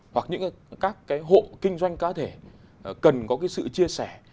hoặc các hộ kinh doanh cá thể cần có sự chia sẻ